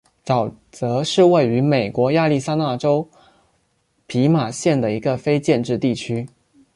沼泽是位于美国亚利桑那州皮马县的一个非建制地区。